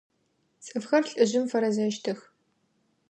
Цӏыфхэр лӏыжъым фэрэзэщтых.